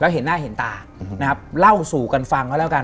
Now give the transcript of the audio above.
เห็นหน้าเห็นตานะครับเล่าสู่กันฟังเขาแล้วกัน